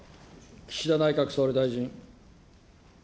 岸田内閣総理大臣。